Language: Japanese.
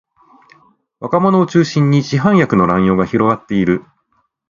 若者を中心に市販薬の乱用が広がっている